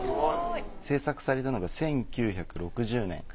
制作されたのが１９６０年。